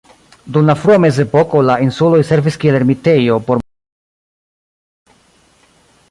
Dum la frua mezepoko la insuloj servis kiel ermitejo por monaĥoj.